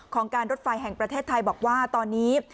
การรถไฟแห่งประเทศไทยบอกว่าตอนนี้